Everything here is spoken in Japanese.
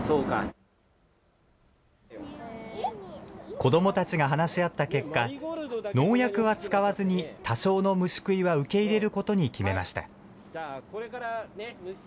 子どもたちが話し合った結果、農薬は使わずに、多少の虫食いは受け入れることに決めました。